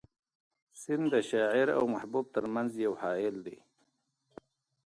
سیند د شاعر او محبوب تر منځ یو حایل دی.